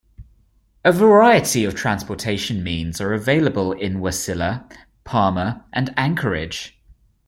A variety of transportation means are available in Wasilla, Palmer and Anchorage.